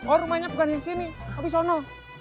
oh rumahnya bukan di sini tapi di sana